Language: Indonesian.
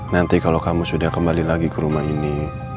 nanti kalau kamu sudah kembali lagi ke rumah ini